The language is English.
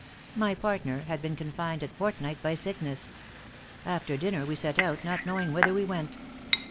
My partner had been confined a fortnight by sickness. After dinner we set out, not knowing whither we went.